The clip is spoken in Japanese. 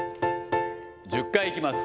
１０回いきます。